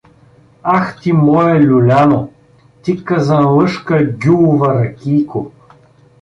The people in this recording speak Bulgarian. Ах ти, моя люляно, ти казанлъшка гюлова ракийко!